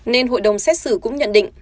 nên hội đồng xét xử cũng nhận định